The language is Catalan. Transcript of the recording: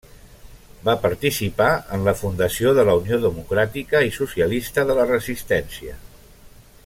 Va participar en la fundació de la Unió democràtica i socialista de la Resistència.